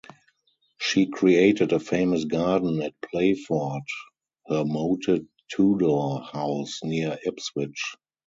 She created a famous garden at Playford, her moated Tudor house near Ipswich.